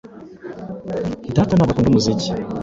Data ntabwo akunda umuziki.